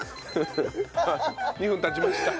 ２分経ちました。